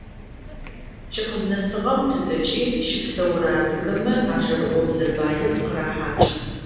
Джы къызнэсыгъэм тыдэкӏи щыпсэурэ адыгэмэ а жэрыӏобзэ баир къырахьакӏы.